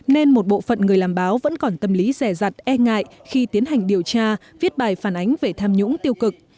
nên một bộ phận người làm báo vẫn còn tâm lý rẻ rặt e ngại khi tiến hành điều tra viết bài phản ánh về tham nhũng tiêu cực